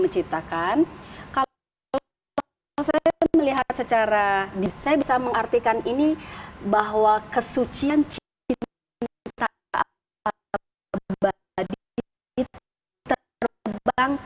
menciptakan kalau melihat secara bisa mengartikan ini bahwa kesucian cinta